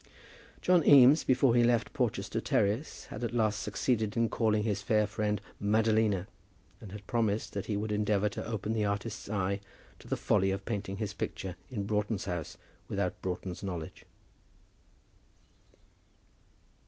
John Eames before he left Porchester Terrace, had at last succeeded in calling his fair friend Madalina, and had promised that he would endeavour to open the artist's eyes to the folly of painting his picture in Broughton's house without Broughton's knowledge.